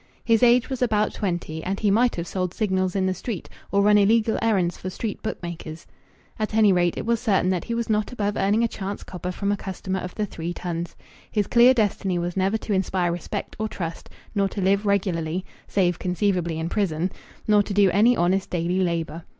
His age was about twenty, and he might have sold Signals in the street, or run illegal errands for street bookmakers. At any rate, it was certain that he was not above earning a chance copper from a customer of the "Three Tuns." His clear destiny was never to inspire respect or trust, nor to live regularly (save conceivably in prison), nor to do any honest daily labour.